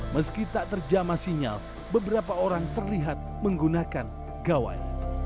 meski tak terjama sinyal beberapa orang terlihat menggunakan gawai